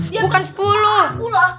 ya terus aku lah